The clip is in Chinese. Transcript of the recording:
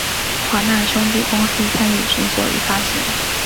华纳兄弟公司参与制作与发行。